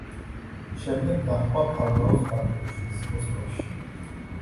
შემდეგ გაჰყვა ფარნაოზ ბატონიშვილს მოსკოვში.